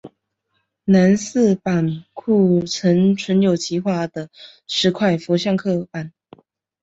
南寺的版库曾存有其画的十块佛像刻版。